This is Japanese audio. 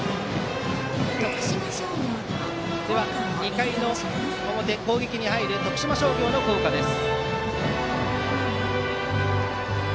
では２回表の攻撃に入る徳島商業の校歌です。